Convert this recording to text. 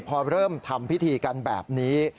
พอเริ่มทำพิธีกันแบบนี้